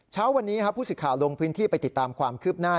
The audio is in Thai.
เช้าวันนี้ผู้สิทธิ์ข่าวลงพื้นที่ไปติดตามความคืบหน้า